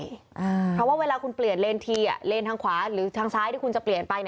เพราะว่าเวลาคุณเปลี่ยนเลนทีเลนทางขวาหรือทางซ้ายที่คุณจะเปลี่ยนไป